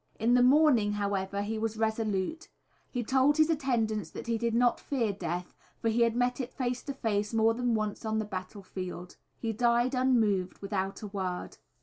In the morning, however, he was resolute. He told his attendants that he did not fear death, for he had met it face to face more than once on the battlefield. He died unmoved, without a word.